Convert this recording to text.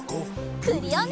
クリオネ！